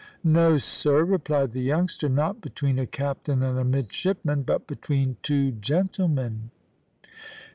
"No sir," replied the youngster, "not between a captain and a midshipman, but between two gentlemen."